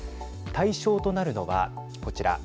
対象となるのはこちら。